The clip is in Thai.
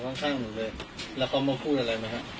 ข้างข้างหนูเลยแล้วเขามาพูดอะไรไหมฮะ